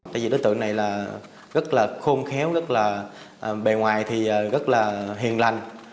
tại vì đối tượng này là rất là khôn khéo rất là bề ngoài thì rất là hiền lành